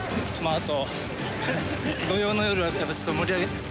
あと。